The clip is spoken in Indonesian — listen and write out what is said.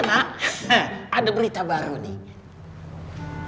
ada berita baru nih